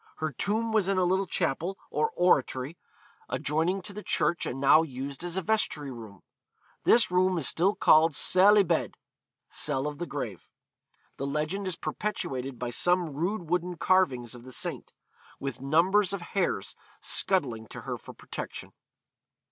Her tomb was in a little chapel, or oratory, adjoining to the church and now used as a vestry room. This room is still called cell y bedd, (cell of the grave).... The legend is perpetuated by some rude wooden carvings of the saint, with numbers of hares scuttling to her for protection.'